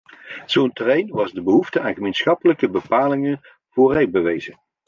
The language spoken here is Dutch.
Zo'n terrein was de behoefte aan gemeenschappelijke bepalingen voor rijbewijzen.